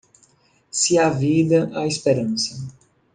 Se há vida, há esperança.